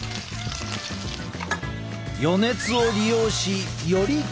余熱を利用しより均一に！